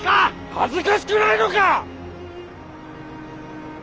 恥ずかしくないのか！